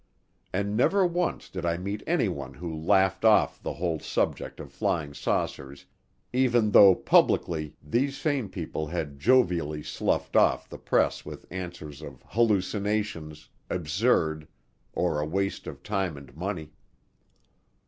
And never once did I meet anyone who laughed off the whole subject of flying saucers even though publicly these same people had jovially sloughed off the press with answers of "hallucinations," "absurd," or "a waste of time and money."